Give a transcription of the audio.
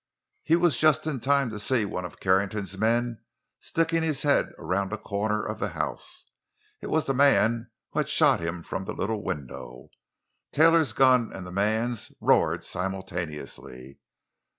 He was just in time to see one of Carrington's men sticking his head around a corner of the house. It was the man who had shot him from the little window. Taylor's gun and the man's roared simultaneously.